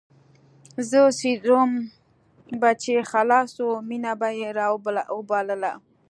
زما سيروم به چې خلاص سو مينه به يې راوبلله.